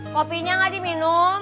kopinya gak diminum